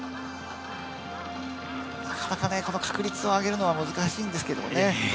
なかなか、確率を上げるのは難しいんですけどね。